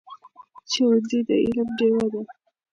ښوونځی د علم ډېوه ده.